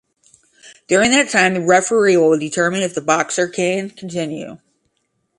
During that time the referee will determine if the boxer can continue.